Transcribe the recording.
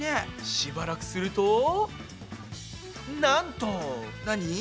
しばらくするとなんと！何？